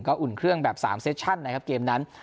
ก็อุ่นเครื่องแบบ๓เซชั่นนะครับเกมนั้น